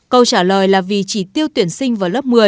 câu trả lời là vì chỉ tiêu tuyển sinh vào lớp một mươi